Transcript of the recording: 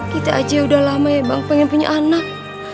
kita aja udah lama ya bang pengen punya anak